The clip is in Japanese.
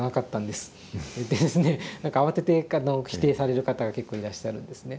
って何か慌てて否定される方が結構いらっしゃるんですね。